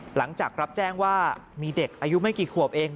หลังจากรับแจ้งว่ามีเด็กอายุไม่กี่ขวบเอง